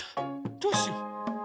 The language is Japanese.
どうしよう？